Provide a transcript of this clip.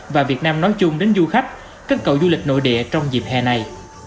và việt nam nói chung đến du khách các cậu du lịch nội địa trong dịp hè này